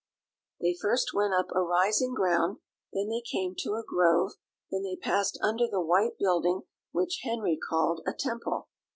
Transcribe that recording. They first went up a rising ground, then they came to a grove; then they passed under the white building which Henry called a temple.